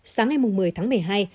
sáng ngày một mươi một mươi hai